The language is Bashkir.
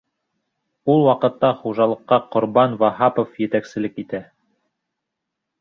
Ул ваҡытта хужалыҡҡа Ҡорбан Ваһапов етәкселек итә.